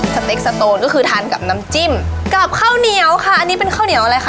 สเต็กสโตนก็คือทานกับน้ำจิ้มกับข้าวเหนียวค่ะอันนี้เป็นข้าวเหนียวอะไรคะ